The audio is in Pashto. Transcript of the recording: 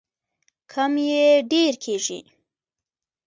کم یې ډیر کیږي.